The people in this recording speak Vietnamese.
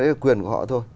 đấy là quyền của họ thôi